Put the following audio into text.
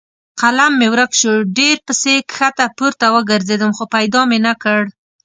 قلم مې ورک شو؛ ډېر پسې کښته پورته وګرځېدم خو پیدا مې نه کړ.